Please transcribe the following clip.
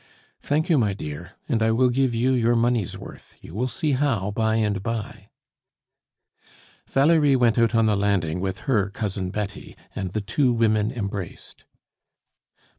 Thank you, my dear; and I will give you your money's worth, you will see how by and by." Valerie went out on the landing with her Cousin Betty, and the two women embraced.